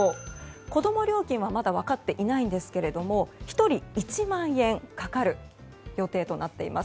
子供料金はまだ分かっていないんですが１人１万円かかる予定となっています。